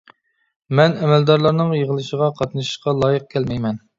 مەن ئەمەلدارلارنىڭ يىغىلىشىغا قاتنىشىشقا لايىق كەلمەيمەن.